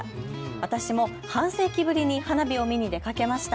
私も半世紀ぶりに花火を見に出かけました。